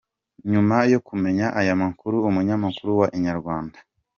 Nyuma yo kumenya aya makuru umunyamakuru wa inyarwanda.